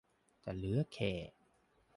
จะเหลือแค่